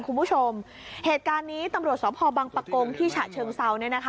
คุณผู้ชมเหตุการณ์นี้ตำรวจสพบังปะกงที่ฉะเชิงเซาเนี่ยนะคะ